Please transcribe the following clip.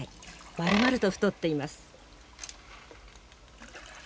まるまると太っています。